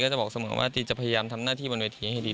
ไม่ได้ไหม้ที่ข้างทางที่มันเป็นที่อันนี้